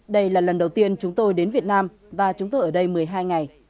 đây là lần đầu tiên chúng tôi đến việt nam và chúng tôi ở đây một mươi hai ngày